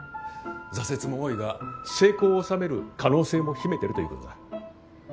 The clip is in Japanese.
挫折も多いが成功を収める可能性も秘めているということだ。